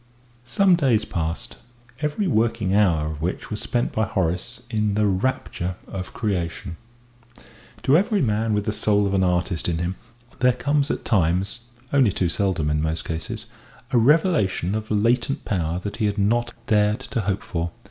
Some days passed, every working hour of which was spent by Horace in the rapture of creation. To every man with the soul of an artist in him there comes at times only too seldom in most cases a revelation of latent power that he had not dared to hope for.